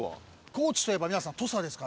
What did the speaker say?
高知といえば皆さん土佐ですから。